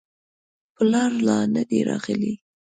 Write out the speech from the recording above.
پلار لا نه دی راغلی.